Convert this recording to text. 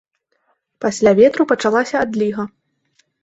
Пасля ветру пачалася адліга.